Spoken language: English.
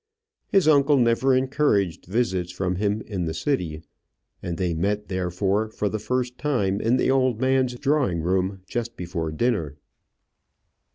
His uncle never encouraged visits from him in the city, and they met, therefore, for the first time in the old man's drawing room just before dinner.